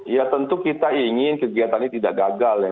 ya tentu kita ingin kegiatannya tidak gagal ya